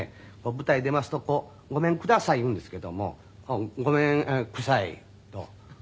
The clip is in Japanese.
舞台出ますと「ごめんください」言うんですけども「ごめんくさい」とこう言うたんです。